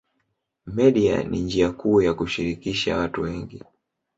Media ni njia kuu ya kushirikisha watu wengi